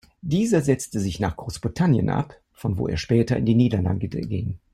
Dieser setzte sich nach Großbritannien ab, von wo er später in die Niederlande ging.